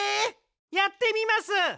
やってみます！